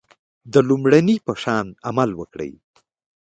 د لومړني په شان عمل وکړئ.